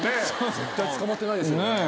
・絶対捕まってないですよね。